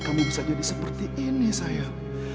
kamu bisa jadi seperti ini sayang